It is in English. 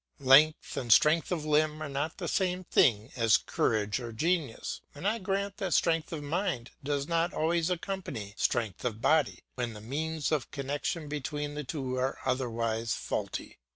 Length and strength of limb are not the same thing as courage or genius, and I grant that strength of mind does not always accompany strength of body, when the means of connection between the two are otherwise faulty.